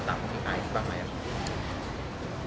ของพี่ไอซ์บ้างไหม